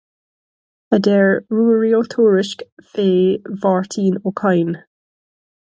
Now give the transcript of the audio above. A deir Ruaidhrí Ó Tuairisg faoi Mháirtín Ó Cadhain.